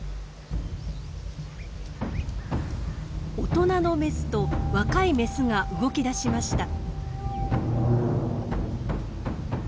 大人のメスと若いメスが動き出しました。